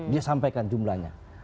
dia sampaikan jumlanya